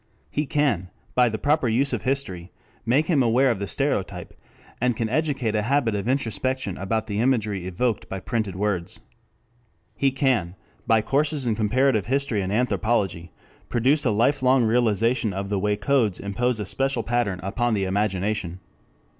He can, by the proper use of history, make him aware of the stereotype, and can educate a habit of introspection about the imagery evoked by printed words. He can, by courses in comparative history and anthropology, produce a life long realization of the way codes impose a special pattern upon the imagination.